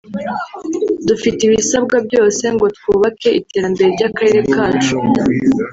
Dufite ibisabwa byose ngo twubake iterambere ry’akarere kacu